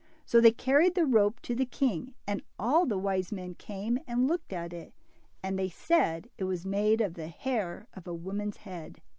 So they carried the rope to the king, and all the wise men came and looked at it, and they said it was made of the hair of a woman's head.